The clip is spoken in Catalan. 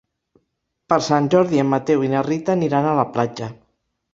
Per Sant Jordi en Mateu i na Rita aniran a la platja.